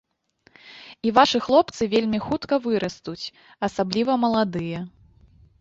І вашы хлопцы вельмі хутка вырастуць, асабліва маладыя.